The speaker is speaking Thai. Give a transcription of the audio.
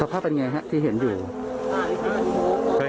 ภาพเป็นไงฮะที่เห็นอยู่